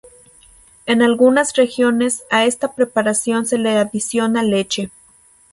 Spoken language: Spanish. En algunas regiones, a esta preparación se le adiciona leche.